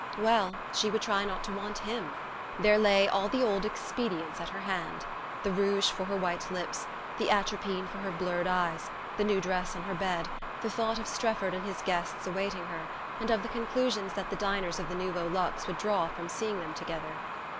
Well, she would try not to want him! There lay all the old expedients at her hand the rouge for her white lips, the atropine for her blurred eyes, the new dress on her bed, the thought of Strefford and his guests awaiting her, and of the conclusions that the diners of the Nouveau Luxe would draw from seeing them together.